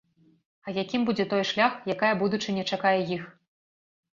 А якім будзе той шлях, якая будучыня чакае іх?